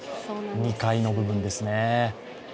２階の部分ですね。